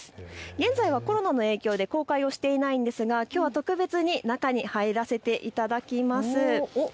現在はコロナの影響で公開していないんですがきょうは特別に中に入らせていただきます。